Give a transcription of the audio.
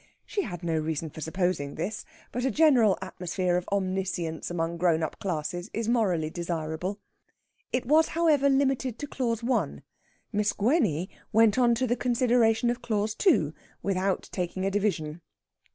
She had no reason for supposing this; but a general atmosphere of omniscience among grown up classes is morally desirable. It was, however, limited to Clause 1. Miss Gwenny went on to the consideration of Clause 2 without taking a division.